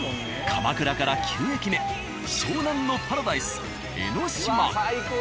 鎌倉から９駅目湘南のパラダイス江の島。